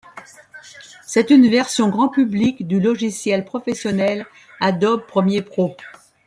C'est une version grand public du logiciel professionnel Adobe Premiere Pro.